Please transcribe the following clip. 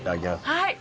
はい。